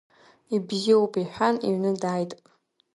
Ибзиоуп, — иҳәан, иҩны дааит.